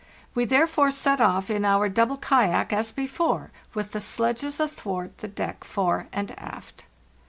We therefore set off in our double kayak, as before, with the sledges athwart the deck fore and aft.